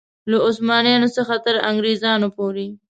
له عثمانیانو څخه تر انګرېزانو پورې.